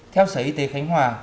theo sở y tế khánh hòa